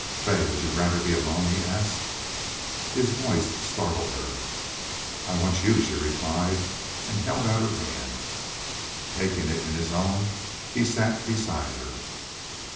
"Fay, would you rather be alone?" he asked. His voice startled her. "I want you," she replied, and held out her hand. Taking it in his own, he sat beside her.